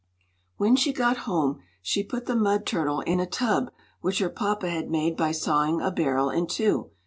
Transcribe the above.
When she got home she put the mud turtle in a tub which her papa had made by sawing a barrel in two.